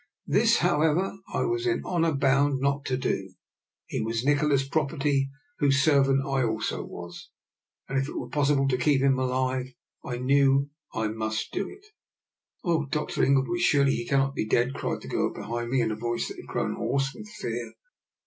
This, however, I was in honour bound not to do. He was Nikola's prop erty, whose servant I also was, and if it were possible to keep him alive I knew I must do it. " Oh, Dr. Ingleby, surely he cannot be dead! '* cried the girl behind me, in a voice that had grown hoarse with fear.